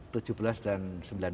dan gapernasuki ya